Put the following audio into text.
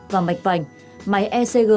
và mạch vành máy ecg